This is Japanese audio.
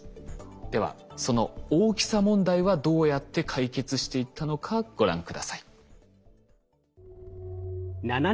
ではその大きさ問題はどうやって解決していったのかご覧下さい。